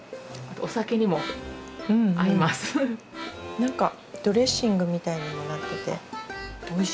何かドレッシングみたいにもなってておいしい。